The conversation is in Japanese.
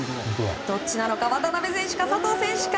どっちなのか渡辺選手か佐藤選手か。